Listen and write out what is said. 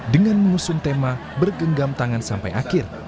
dengan mengusung tema bergenggam tangan sampai akhir